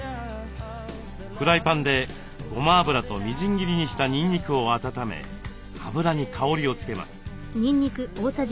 フライパンでごま油とみじん切りにしたにんにくを温め油に香りをつけます。